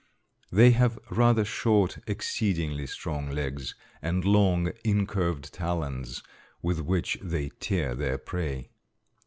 They have rather short, exceedingly strong legs and long incurved talons with which they tear their prey.